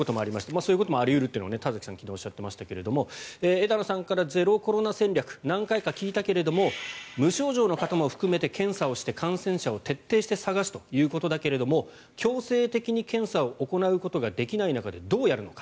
そういうこともあり得るというのは田崎さん昨日おっしゃっていましたが枝野さんからゼロコロナ戦略何回か聞いたけれども無症状の方も含めて検査をして感染者を徹底して探すということだけれども強制的に検査を行うことができない中でどうやるのか。